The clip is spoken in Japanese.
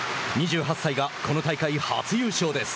２８歳がこの大会初優勝です。